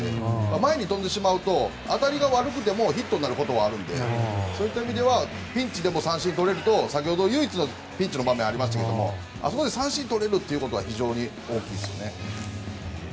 前に飛んでしまうと当たりが悪くてもヒットになることがあるのでピンチでも三振がとれると先ほど唯一のピンチの場面がありましたがあそこで三振をとれるのが非常に大きいですね。